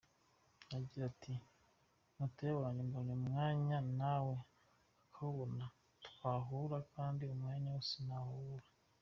Agira ati “Mutoya wanjye mbonye umwanya nawe akawubona twahura kandi umwanya wo sinawubura.